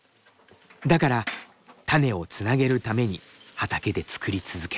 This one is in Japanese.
だから種をつなげるために畑で作り続ける。